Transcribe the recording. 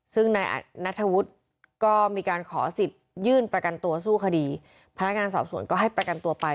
ซึ่งนายนัทธวุฒิก็มีการขอสิทธิ์ยื่นประกันตัวสู้คดีพนักงานสอบสวนก็ให้ประกันตัวไป